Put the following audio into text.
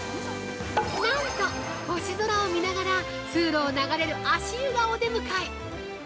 なんと星空を見ながら通路を流れる足湯がお出迎え！